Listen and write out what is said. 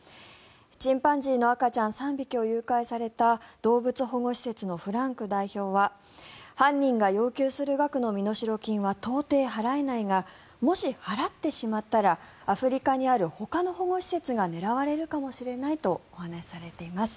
チンパンジーの赤ちゃん３匹を誘拐された動物保護施設のフランク代表は犯人が要求する額の身代金は到底払えないがもし、払ってしまったらアフリカにあるほかの保護施設が狙われるかもしれないとお話しされています。